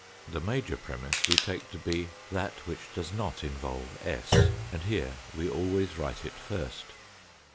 The major premiss we take to be, that which does not involve s, and here we always write it first.